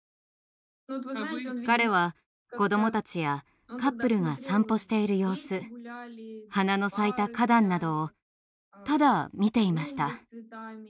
彼は子どもたちやカップルが散歩している様子花の咲いた花壇などをただ見ていました。